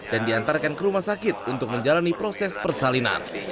dan diantarkan ke rumah sakit untuk menjalani proses persalinan